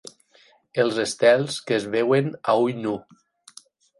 Els estels que es veuen a ull nu.